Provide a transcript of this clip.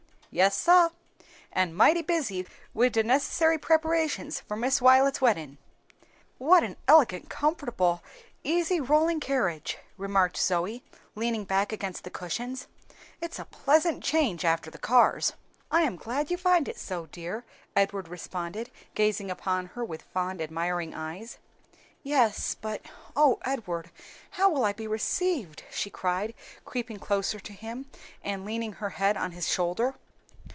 "Yes, sah, an' mighty busy wid de necessary preparations for Miss Wilet's weddin'." "What an elegant, comfortable, easy rolling carriage!" remarked Zoe, leaning back against the cushions, "it's a pleasant change from the cars." "I am glad you find it so, dear," Edward responded, gazing upon her with fond, admiring eyes. "Yes, but O Edward, how will I be received?" she cried, creeping closer to him and leaning her head on his shoulder.